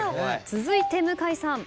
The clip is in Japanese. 続いて向井さん。